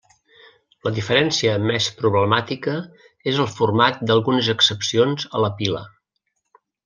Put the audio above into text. La diferència més problemàtica és el format d'algunes excepcions a la pila.